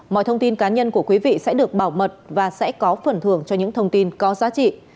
mọi thông tin cá nhân của quý vị sẽ được bảo mật và sẽ có phần thưởng cho những thông tin có giá trị